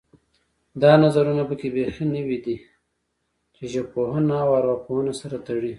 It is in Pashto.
دا نظرونه پکې بیخي نوي دي چې ژبپوهنه او ارواپوهنه سره تړي